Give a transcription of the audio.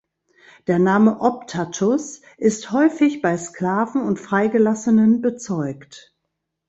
Der Name Optatus ist häufig bei Sklaven und Freigelassenen bezeugt.